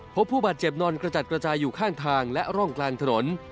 พบผู้บาดเจ็บนอนกระจัดกระจายอยู่ข้างทางและร่องกลางถนน